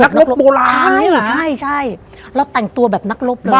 ไฟฮาลักษณ์บูรังนี่ใช่ชานะแหละแล้วแต่งตัวแบบนักรบ